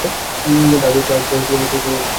তার তো সে সুযোগ নেই।